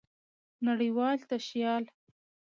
نړۍوال تشيال